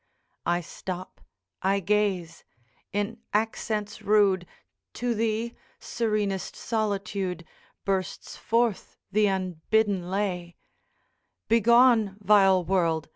I stop, I gaze; in accents rude, To thee, serenest Solitude, Bursts forth th' unbidden lay; 'Begone vile world!